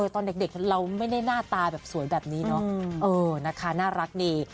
ตอนเด็กเราไม่ได้หน้าตาแบบสวยแบบนี้เนอะนะคะน่ารักดี